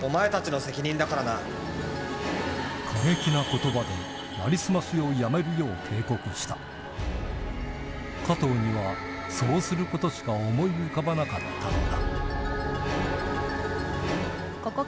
ついにで成り済ましをやめるよう警告した加藤にはそうすることしか思い浮かばなかったのだ